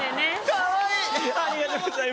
かわいい。